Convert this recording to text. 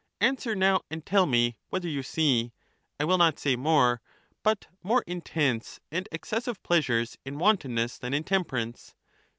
Answer now, and tell me whether you see, I will not say more, but more intense and excessive pleasures in wantonness than in temperance